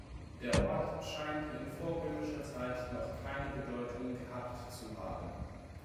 Der Ort scheint in vorrömischer Zeit noch keine Bedeutung gehabt zu haben.